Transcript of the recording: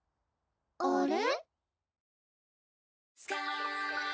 「あれ」？